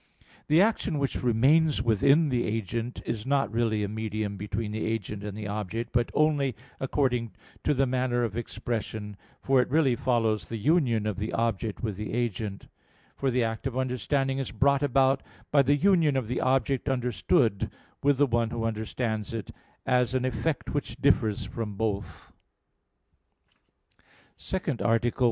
The action which remains within the agent, is not really a medium between the agent and the object, but only according to the manner of expression; for it really follows the union of the object with the agent. For the act of understanding is brought about by the union of the object understood with the one who understands it, as an effect which differs from both. _______________________ SECOND ARTICLE [I, Q. 54, Art.